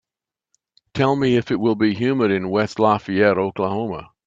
Tell me if it will be humid in West Lafayette, Oklahoma